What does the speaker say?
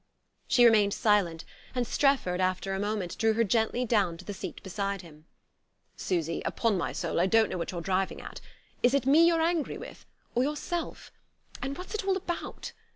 She remained silent, and Strefford, after a moment, drew her gently down to the seat beside him. "Susy, upon my soul I don't know what you're driving at. Is it me you're angry with or yourself? And what's it all about!